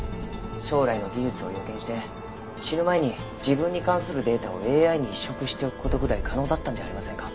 将来の技術を予見して死ぬ前に自分に関するデータをＡＩに移植しておく事ぐらい可能だったんじゃありませんか？